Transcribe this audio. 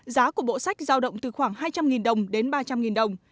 giá của bộ sách giao động từ khoảng hai trăm linh đồng đến ba trăm linh đồng